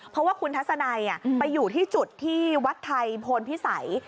เพราะว่าคุณทัศนัยไปอยู่ที่จุดที่วัดไทยโพนพิสัย